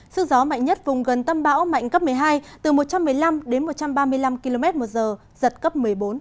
sức gió mạnh nhất vùng gần tâm bão mạnh cấp một mươi hai từ một trăm một mươi năm đến một trăm ba mươi năm km một giờ giật cấp một mươi bốn